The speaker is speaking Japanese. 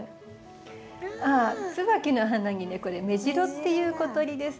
ツバキの花にねこれメジロっていう小鳥です。